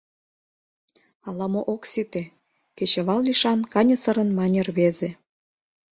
— Ала-мо ок сите, — кечывал лишан каньысырын мане рвезе.